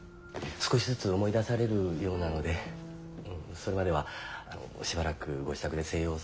少しずつ思い出されるようなのでそれまではしばらくご自宅で静養されることをおすすめします。